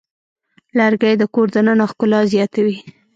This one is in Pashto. لرګی د کور دننه ښکلا زیاتوي.